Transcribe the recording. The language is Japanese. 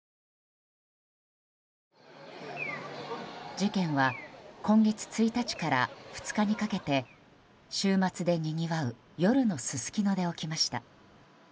事件は今月１日から２日にかけて週末でにぎわう夜のすすきので起きました。